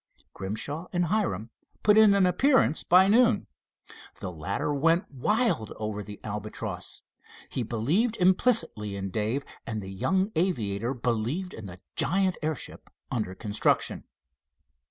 Grimshaw and Hiram put in an appearance by noon. The latter went wild over the Albatross. He believed implicitly in Dave, and the young aviator believed in the giant airship under construction.